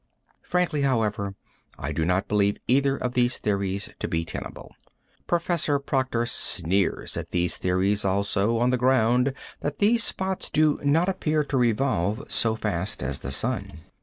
Frankly, however, I do not believe either of these theories to be tenable. Prof. Proctor sneers at these theories also on the ground that these spots do not appear to revolve so fast as the sun.